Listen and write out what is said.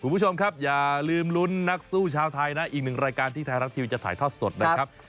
คุณผู้ชมครับอย่าลืมลุ้นนักสู้ชาวไทยนะอีกหนึ่งรายการที่ไทยรัฐทีวีจะถ่ายทอดสดนะครับ